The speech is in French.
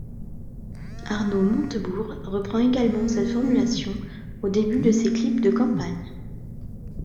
Arnaud Montebourg reprend également cette formulation au début de ses clips de campagne.